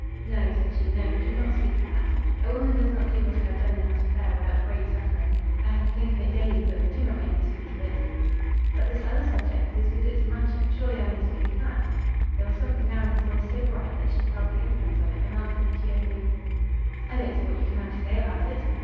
"No," said she; "no. Do not speak of that. A woman does not do what I have done in that affair without great suffering. I have to think of it daily; but do not make me speak of it." "But this other subject, this visit to Matching; surely I may speak of that?" There was something now in his voice so bright, that she felt the influence of it, and answered him cheerfully, "I don't see what you can have to say about it."